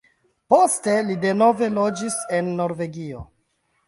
Poste li denove loĝis en Norvegio.